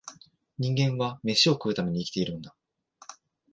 人間は、めしを食うために生きているのだ